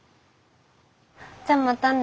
じゃまたね。